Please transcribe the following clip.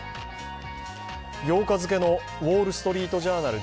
８日付の「ウォール・ストリート・ジャーナル」